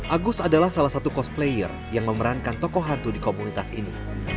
agus adalah salah satu cosplayer yang memerankan tokoh hantu di komunitas ini